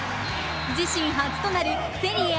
自身初となるセリエＡ